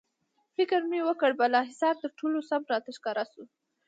فکر مې وکړ، بالاحصار تر ټولو سم راته ښکاره شو.